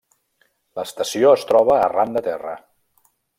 L'estació es troba arran de terra.